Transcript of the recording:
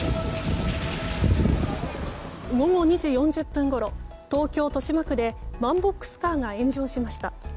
午後２時４０分ごろ東京・豊島区でワンボックスカーが炎上しました。